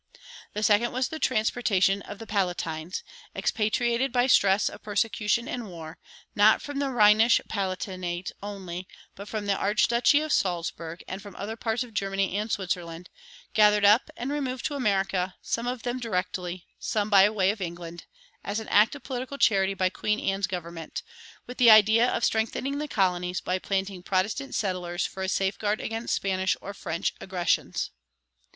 The second was the transportation of "the Palatines," expatriated by stress of persecution and war, not from the Rhenish Palatinate only, but from the archduchy of Salzburg and from other parts of Germany and Switzerland, gathered up and removed to America, some of them directly, some by way of England, as an act of political charity by Queen Anne's government, with the idea of strengthening the colonies by planting Protestant settlers for a safeguard against Spanish or French aggressions.